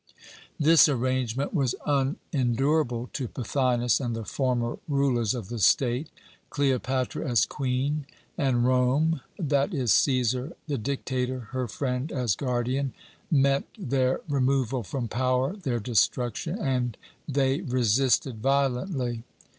"This arrangement was unendurable to Pothinus and the former rulers of the state. Cleopatra as Queen, and Rome that is Cæsar, the dictator, her friend, as guardian meant their removal from power, their destruction, and they resisted violently.